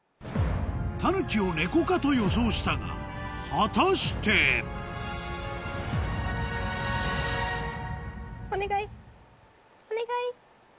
たぬきをネコ科と予想したが果たしてお願いお願い。